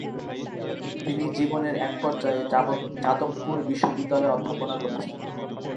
তিনি জীবনের এক পর্যায়ে যাদবপুর বিশ্ববিদ্যালয়ে অধ্যাপনা করেছেন।